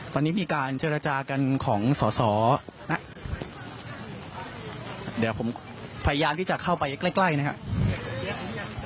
ตอนนี้มีการเจรจากันของสอสอนะเดี๋ยวผมพยายามที่จะเข้าไปใกล้ใกล้นะครับ